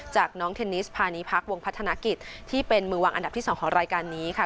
จากน้องเทนนิสพาณิพักวงพัฒนากิจที่เป็นมือวางอันดับที่๒ของรายการนี้ค่ะ